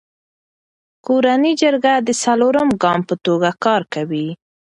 کورنی جرګه د څلورم ګام په توګه کار کوي.